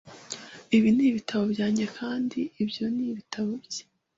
Ibi ni ibitabo byanjye, kandi ibyo ni ibitabo bye.